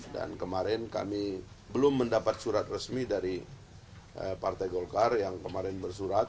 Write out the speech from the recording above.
kemarin kami belum mendapat surat resmi dari partai golkar yang kemarin bersurat